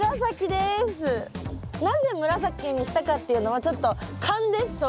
なぜ紫にしたかっていうのはちょっと勘です。